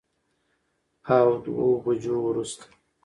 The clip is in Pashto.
او دوو بجو وروسته